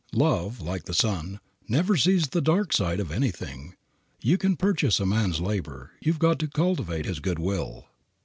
Love, like the sun, never sees the dark side of anything. You can purchase a man's labor, you've got to cultivate his good will.